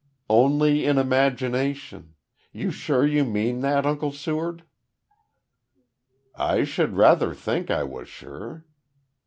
"Only in imagination. You're sure you mean that, Uncle Seward?" "I should rather think I was sure.